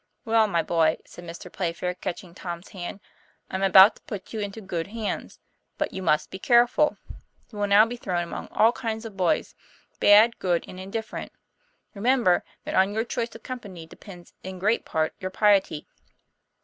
"Well, my boy, "said Mr. Playfair, catching Tom's hand, " I am about to put you into good hands. But you must be careful. You will now be thrown among all kinds of boys bad, good, and indifferent. Remember, that on your choice of company depends in great part your piety.